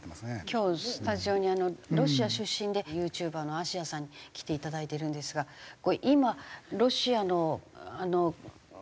今日スタジオにロシア出身でＹｏｕＴｕｂｅｒのあしやさんに来ていただいてるんですが今ロシアのあの。